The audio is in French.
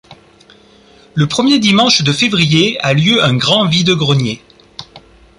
Le premier dimanche de février a lieu un grand vide-greniers.